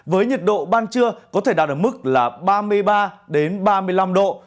với nhiệt độ ban trưa có thể đạt được mức là ba mươi ba đến ba mươi năm độ